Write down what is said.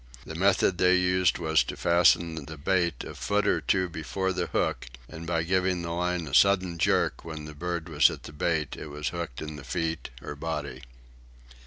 The method they used was to fasten the bait a foot or two before the hook and, by giving the line a sudden jerk when the bird was at the bait, it was hooked in the feet or body.